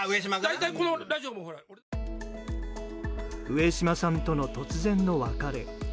上島さんとの突然の別れ。